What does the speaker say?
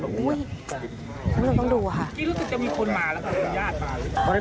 ก็ได้ศพนี้เราต้องศพในกระตุ๋ทที่เรามาสังหวัด